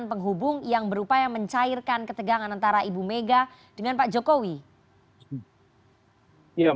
pergi lu gua end ya semuanya